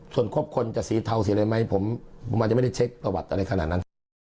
ส่วนครบคนจะสีเทาสีอะไรไหมผมอาจจะไม่ได้เช็คประวัติอะไรขนาดนั้น